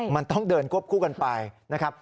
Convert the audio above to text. มันต้องเดินควบคู่กันไปนะครับ